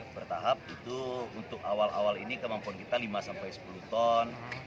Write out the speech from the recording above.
bertahap itu untuk awal awal ini kemampuan kita lima sampai sepuluh ton